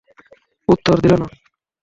উত্তর দিলো না।